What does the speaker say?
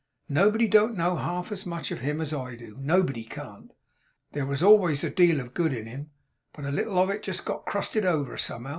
Nobody don't know half as much of him as I do. Nobody can't. There was always a deal of good in him, but a little of it got crusted over, somehow.